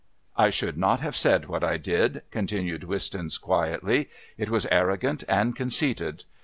"I should not have said what I did," continued Wistons quietly. "It was arrogant and conceited.